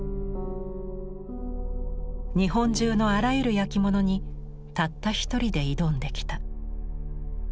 日本中のあらゆる焼き物にたった一人で挑んできた。